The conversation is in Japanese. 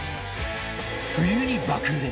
冬に爆売れ！